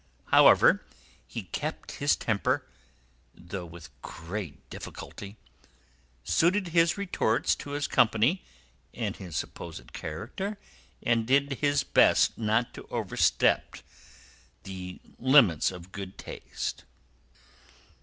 However, he kept his temper, though with great difficulty, suited his retorts to his company and his supposed character, and did his best not to overstep the limits of good taste.